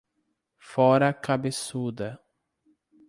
Fora cabeçuda